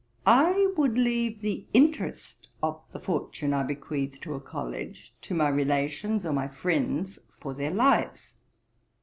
I would leave the interest of the fortune I bequeathed to a College to my relations or my friends, for their lives.